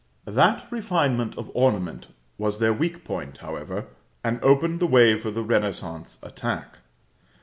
That refinement of ornament was their weak point, however, and opened the way for the renaissance attack.